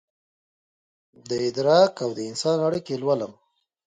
دادراک اودانسان اړیکې لولم